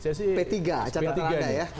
p tiga catatan anda ya